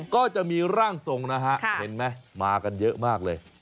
ก็จะมีร่างทรงนะฮะเห็นไหมมากันเยอะมากเลย